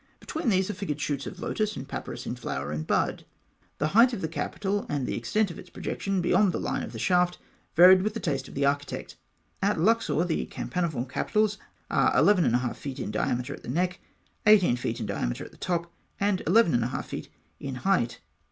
Between these are figured shoots of lotus and papyrus in flower and bud. The height of the capital, and the extent of its projection beyond the line of the shaft, varied with the taste of the architect. At Luxor, the campaniform capitals are eleven and a half feet in diameter at the neck, eighteen feet in diameter at the top, and eleven and a half feet in height.